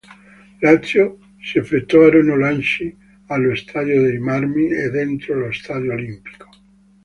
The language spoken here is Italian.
Lazio si effettuarono lanci allo Stadio dei Marmi e dentro lo Stadio Olimpico.